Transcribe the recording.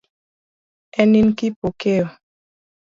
En in Kipokeo?